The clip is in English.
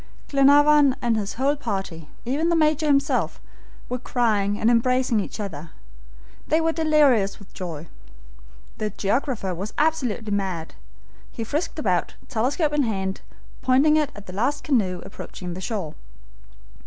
Glenarvan and his whole party, even the Major himself, were crying and embracing each other. They were delirious with joy. The geographer was absolutely mad. He frisked about, telescope in hand, pointing it at the last canoe approaching the shore.